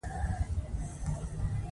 د مار د چیچلو لپاره سمدستي روغتون ته لاړ شئ